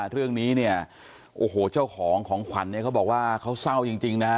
เรื่องนี้เจ้าของของขวัญเขาบอกว่าเขาเศร้าจริงนะครับ